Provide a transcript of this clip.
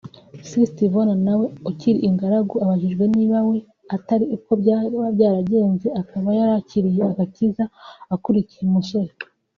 Sister Yvonne nawe ukiri ingaragu abajijwe niba we atari ko byaba byaragenze akaba yarakiriye agakiza akurikiye umusore